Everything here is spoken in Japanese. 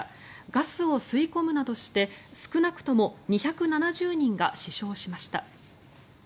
ガスを吸い込むなどして少なくとも２７０人が死傷しました。